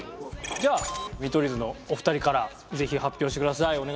じゃあ見取り図のお二人からぜひ発表してください。